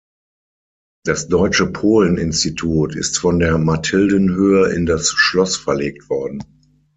Das Deutsche Polen-Institut ist von der Mathildenhöhe in das Schloss verlegt worden.